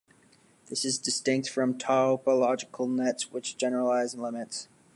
This is distinct from topological nets which generalise limits.